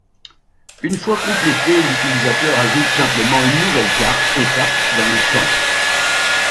Une fois complété l'utilisateur ajoute simplement une nouvelle carte et tape dans les champs.